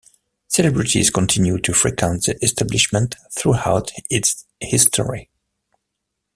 Celebrities continued to frequent the establishment throughout its history.